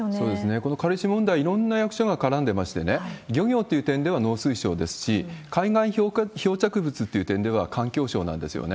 この軽石問題、いろんな役所が絡んでましてね、漁業という点では農水省ですし、海外漂着物という点では環境省なんですよね。